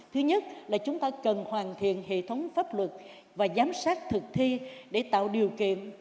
thứ nhất là chúng ta cần hoàn thiện hệ thống pháp luật và giám sát thực thi để tạo điều kiện